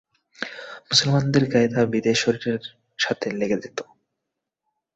মুসলমানদের গায়ে তা বিধে শরীরের সাথে লেগে যেত।